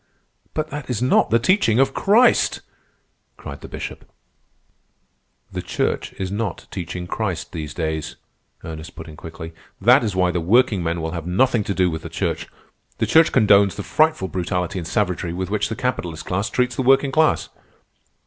"But that is not the teaching of Christ!" cried the Bishop. "The Church is not teaching Christ these days," Ernest put in quickly. "That is why the workingmen will have nothing to do with the Church. The Church condones the frightful brutality and savagery with which the capitalist class treats the working class."